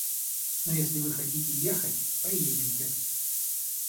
Но если вы хотите ехать, поедемте!